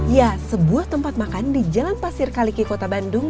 ya sebuah tempat makan di jalan pasir kaliki kota bandung